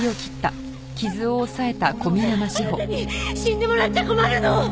あなたに死んでもらっちゃ困るの！！